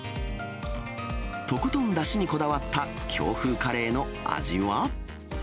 とことんだしにこだわった京風カレーの味は。